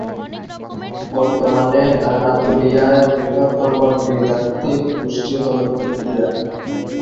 বর্তমানে আনাতোলিয়ায় বৃহত্তম নৃতাত্ত্বিক গোষ্ঠী হল তুর্কিরা।